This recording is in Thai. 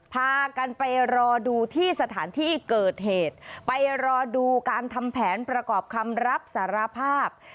พากันไปรอดูที่สถานที่เกิดเหตุไปรอดูการทำแผนประกอบคำรับสารภาพ